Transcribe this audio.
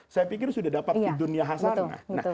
saya pikir sudah dapat di dunia khasanya